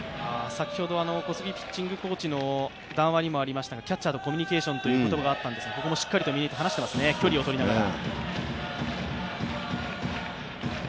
先ほどの小杉ピッチングコーチの談話にもありましたけれども、キャッチャーとコミュニケーションという言葉があったんですが、ここもしっかりと嶺井と話していますね、距離をとりながら。